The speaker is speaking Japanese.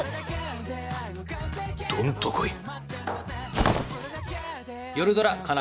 どんと来い。